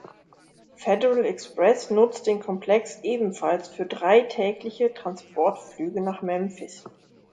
Federal Express nutzt den Komplex ebenfalls für drei tägliche Transportflüge nach Memphis.